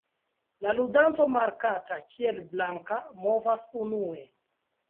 La ludanto markata kiel "blanka" movas unue.